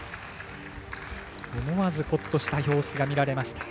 思わず、ほっとした様子が見られました。